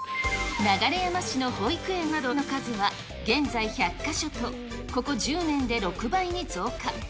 流山市の保育園の数は現在１００か所と、ここ１０年で６倍に増加。